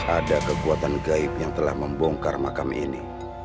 ada kekuatan gaib yang telah membongkar makam ini